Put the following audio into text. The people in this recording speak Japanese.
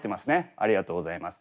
ありがとうございます。